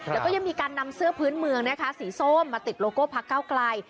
แล้วก็ยังมีการนำเสื้อพื้นเมืองนะคะสีส้มมาติดโลโก้พักเก้าไกล